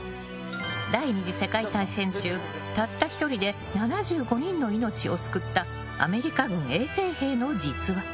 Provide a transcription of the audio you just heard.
第２次世界大戦中たった１人で７５人の命を救ったアメリカ軍衛生兵の実話。